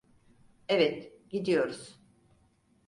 Evet, gidiyoruz.